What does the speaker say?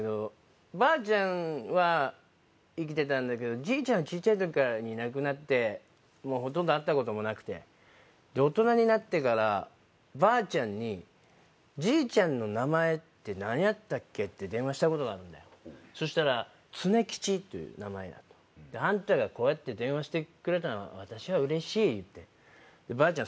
じいちゃんはちいちゃいときに亡くなってもうほとんど会ったこともなくて大人になってからばあちゃんにじいちゃんの名前って何やったっけって電話したことがあるんだよそしたら「つねきち」という名前だとあんたがこうやって電話してくれたのが私はうれしい言うてばあちゃん